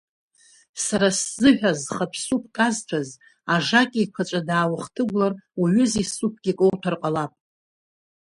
Сара сзыҳәа зхатә суԥ казҭәаз, ажакьа еиқәаҵәа дааухҭыгәлар уҩыза исуԥгьы кауҭәар ҟалап.